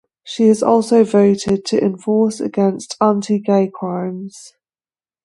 She has also voted to enforce against anti-gay crimes.